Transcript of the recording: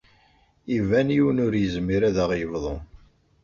Iban yiwen ur yezmir ad aɣ-yebḍu.